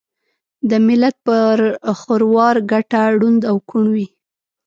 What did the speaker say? دملت پر خروار ګټه ړوند او کوڼ وي